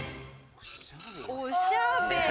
・「おしゃべり」？